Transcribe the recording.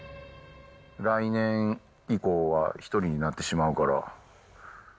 来年以降は１人になってしまうから。